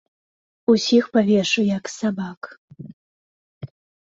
Усіх павешу, як сабак!